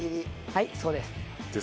はいそうです。